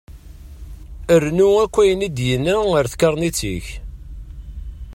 Rnu akk ayen i d-yenna ar tkaṛnit-ik.